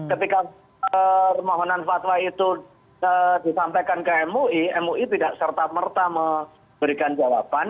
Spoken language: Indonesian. ketika permohonan fatwa itu disampaikan ke mui mui tidak serta merta memberikan jawaban